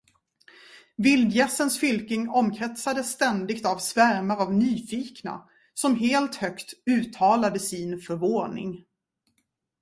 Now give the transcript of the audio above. Vildgässens fylking omkretsades ständigt av svärmar av nyfikna, som helt högt uttalade sin förvåning.